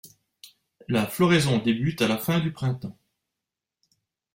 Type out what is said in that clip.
La floraison débute à la fin du printemps.